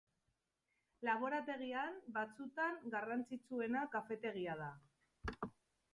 Laborategian, batzutan, garrantzitsuena kafetegia da.